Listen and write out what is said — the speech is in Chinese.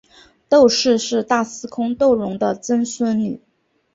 窦氏是大司空窦融的曾孙女。